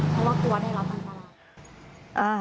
เพราะว่ากลัวได้รับมันมา